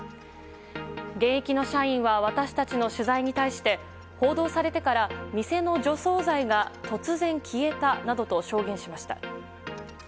現役の社員は私たちの取材に対して報道されてから店の除草剤が突然消えたなどと証言しました。